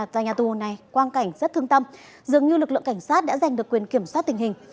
và nhà tù này quang cảnh rất thương tâm dường như lực lượng cảnh sát đã giành được quyền kiểm soát tình hình